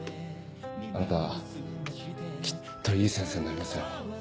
あなたきっといい先生になりますよ。